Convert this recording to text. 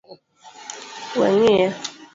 Weng’iya